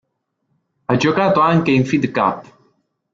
Ha giocato anche in Fed Cup.